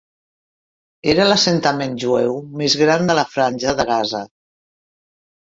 Era l'assentament jueu més gran de la Franja de Gaza.